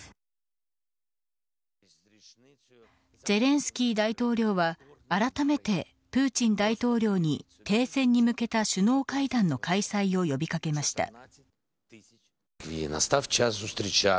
ゼレンスキー大統領はあらためて、プーチン大統領に停戦に向けた首脳会談の開催を呼び掛けました。